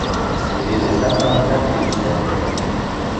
Tekiuajkapan kajki Ixtenco.